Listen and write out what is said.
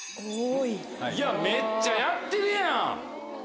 めっちゃやってるやん。